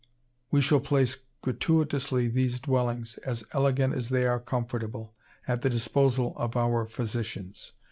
We shall place gratuitously these dwellings, as elegant as they are comfortable, at the disposal of our physicians.